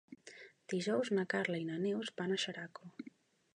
Dijous na Carla i na Neus van a Xeraco.